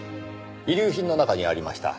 遺留品の中にありました。